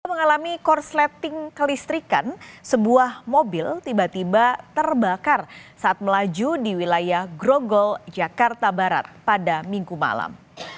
mengalami korsleting kelistrikan sebuah mobil tiba tiba terbakar saat melaju di wilayah grogol jakarta barat pada minggu malam